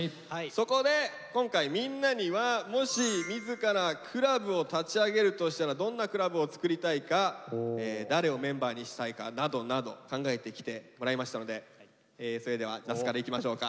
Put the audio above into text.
そこで今回みんなにはもし自ら「倶楽部」を立ち上げるとしたらどんな倶楽部を作りたいか誰をメンバーにしたいかなどなど考えてきてもらいましたのでそれでは那須からいきましょうか。